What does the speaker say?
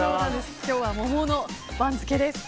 今日は桃の番付です。